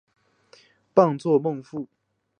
榜作孟富。